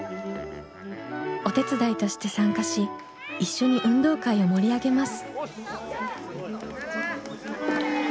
お手伝いとして参加し一緒に運動会を盛り上げます。